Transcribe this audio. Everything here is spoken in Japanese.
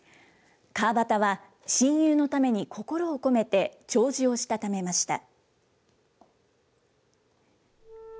川端は親友のために心を込めて弔辞をしたためました。